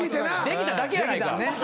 できただけやないか。